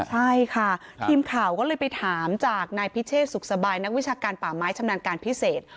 ใช่ค่ะทีมข่าวก็เลยไปถามจากนายพิเชษสุขสบายนักวิชาการป่าไม้ชำนาญการพิเศษ